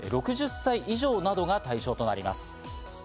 ６０歳以上などが対象となります。